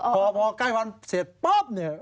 พอมองไกลขวันเสร็จป๊อบเนี่ย